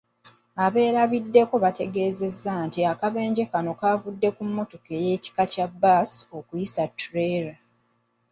Abeerabiddeko bategeezezza nti akabenje kano kavudde ku mmotoka y'ekika kya bbaasi okuyisa ttuleera.